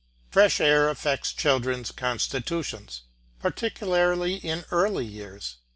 Fresh air affects children's constitutions, particularly in early years.